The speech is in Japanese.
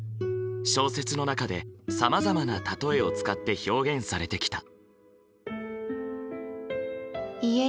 小説の中でさまざまな例えを使って表現されてきた。